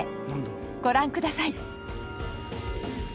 ご覧ください。